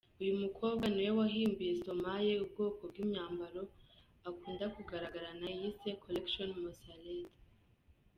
Uyu mukobwa ni we wahimbiye Stromae ubwoko bw’imyambaro akunda kugararagarana yise ‘Collection Mosaert’.